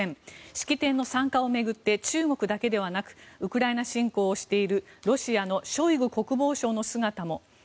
式典の参加を巡って中国だけではなくウクライナ侵攻をしているロシアのショイグ国防相の姿も。